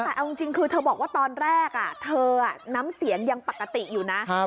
แต่เอาจริงคือเธอบอกว่าตอนแรกเธอน้ำเสียงยังปกติอยู่นะ